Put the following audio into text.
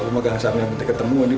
kalau pemegang saham yang kita ketemu ini